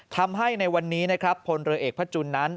ทำให้ในวันนี้พลเรอเอกพัชจุนนั้น